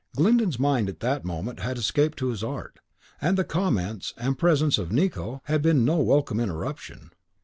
Glyndon's mind at that moment had escaped to his art, and the comments and presence of Nicot had been no welcome interruption.